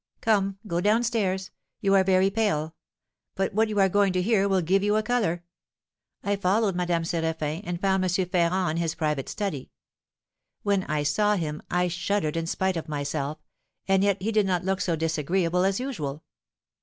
Come, go down stairs. You are very pale; but what you are going to hear will give you a colour.' I followed Madame Séraphin, and found M. Ferrand in his private study. When I saw him, I shuddered in spite of myself, and yet he did not look so disagreeable as usual.